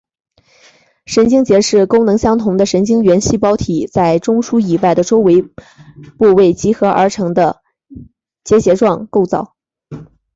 神经节是功能相同的神经元细胞体在中枢以外的周围部位集合而成的结节状构造。